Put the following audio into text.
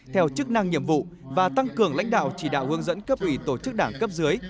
theo chức năng nhiệm vụ và tăng cường lãnh đạo chỉ đạo hướng dẫn cấp ủy tổ chức đảng cấp dưới